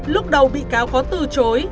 lúc đầu bị cáo có từ chối